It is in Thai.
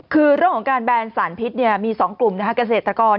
คือเรื่องของการแบนสารพิษเนี่ยมี๒กลุ่มกระเศรษฐกร